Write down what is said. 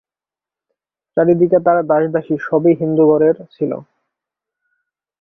চারি দিকে তার দাসদাসী, সবই হিন্দু ঘরের ছিল।